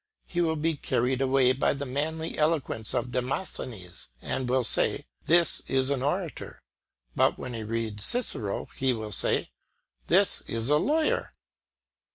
He will be carried away by the manly eloquence of Demosthenes, and will say, "This is an orator;" but when he reads Cicero, he will say, "This is a lawyer."